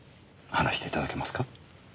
話していただけますか。